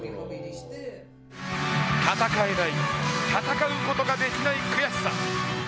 戦えない、戦うことができない悔しさ。